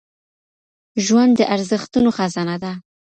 ژوند د ارزښتونو خزانه ده